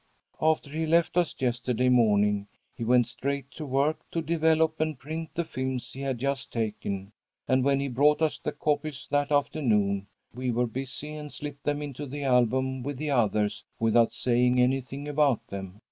After he left us yesterday morning he went straight to work to develop and print the films he had just taken, and when he brought us the copies that afternoon, we were busy, and he slipped them into the album with the others without saying anything about them.